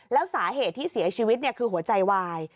แล้วสาเหตุที่เสียชีวิตคือหัวใจวาย